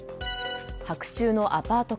白昼のアパート